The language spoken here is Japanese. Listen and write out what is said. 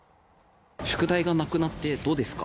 宿題がなくなってどうですか？